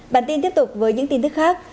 bản tin tiếp tục với những tin tức khác